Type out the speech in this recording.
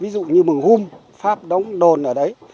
ví dụ như mừng hung pháp đóng đồn ở đấy